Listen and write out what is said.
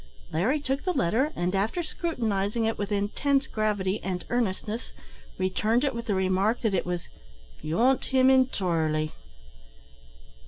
Larry took the letter, and, after scrutinising it with intense gravity and earnestness, returned it, with the remark, that it was "beyant him entirely."